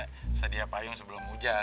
di baratnya sedia payung sebelum hujan